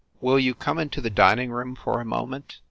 Will you come into the dining room for a moment